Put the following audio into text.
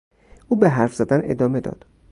او به حرف زدن ادامه داد.